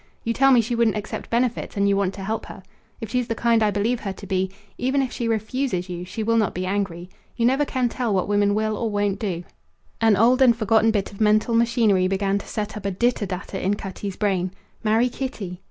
You tell me she wouldn't accept benefits, and you want to help her. If she's the kind I believe her to be, even if she refuses you she will not be angry. You never can tell what woman will or won't do." An old and forgotten bit of mental machinery began to set up a ditter datter in Cutty's brain. Marry Kitty?